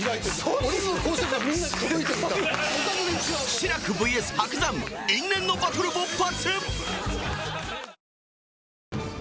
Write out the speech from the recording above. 志らく ＶＳ 伯山因縁のバトル勃発！